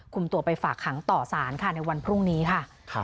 ตัวไปฝากขังต่อสารค่ะในวันพรุ่งนี้ค่ะ